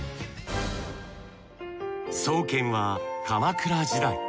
創建は鎌倉時代。